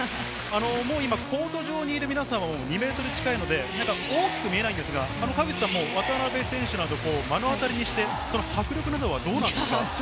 コート上にいる皆さん、２ｍ近いので、大きく見えないんですが、川口さんも渡邊選手など目の当たりにして、迫力などはいかがでしたか？